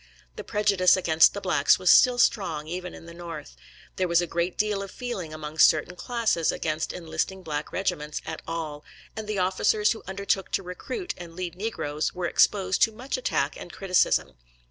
The prejudice against the blacks was still strong even in the North. There was a great deal of feeling among certain classes against enlisting black regiments at all, and the officers who undertook to recruit and lead negroes were. exposed to much attack and criticism.